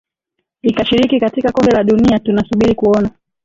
ikashiriki katika kombe la dunia tunasubiri kuona